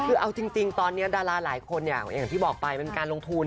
เอาจริงตอนนี้ดาราหลายคนอย่างที่บอกไปมันเป็นการลงทุน